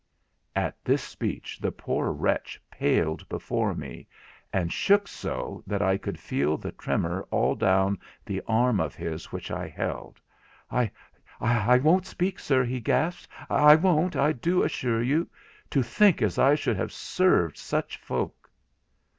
At this speech the poor wretch paled before me, and shook so that I could feel the tremor all down the arm of his which I held. 'I—I won't speak, sir,' he gasped. 'I won't, I do assure you—to think as I should have served such folk.'